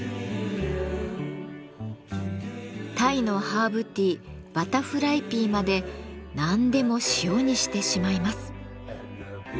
タイのハーブティーバタフライピーまで何でも塩にしてしまいます。